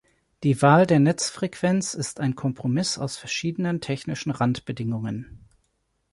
Die Wahl der Netzfrequenz ist ein Kompromiss aus verschiedenen technischen Randbedingungen.